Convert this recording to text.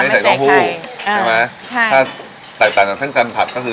ไม่ใส่กองผู้เห็นไหมใช่ถ้าใส่ต่างจากเส้นจันทร์ผัดก็คือ